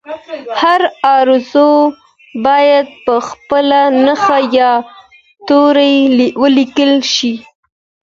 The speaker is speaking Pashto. هر آواز باید په خپله نښه یا توري ولیکل شي